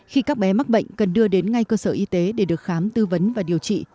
khi các bé mắc bệnh cần đưa đến ngay cơ sở y tế để được khám tư vấn và điều trị